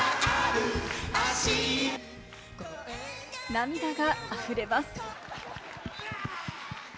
涙があふれます。